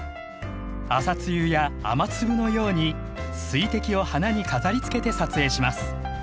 朝露や雨粒のように水滴を花に飾りつけて撮影します。